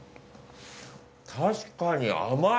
確かに甘い！